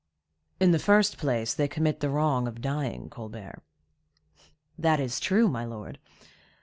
"In the first place, they commit the wrong of dying, Colbert." "That is true, my lord.